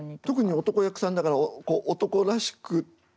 特に男役さんだから男らしく。